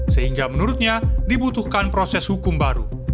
sehingga menurutnya dibutuhkan proses hukum baru